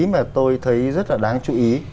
mà tôi thấy rất là đáng chú ý